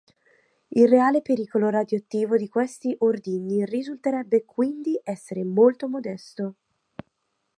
Il reale pericolo radioattivo di questi ordigni risulterebbe quindi essere molto modesto.